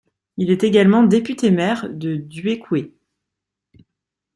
Il est également député-maire de Duékoué.